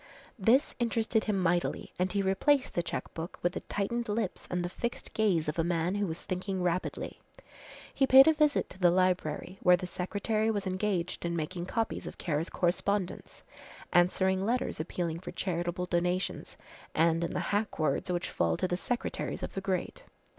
This interested him mightily and he replaced the cheque book with the tightened lips and the fixed gaze of a man who was thinking rapidly. He paid a visit to the library, where the secretary was engaged in making copies of Kara's correspondence, answering letters appealing for charitable donations, and in the hack words which fall to the secretaries of the great.